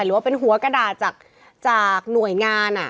หรือว่าเป็นหัวกระดาษจากหน่วยงาน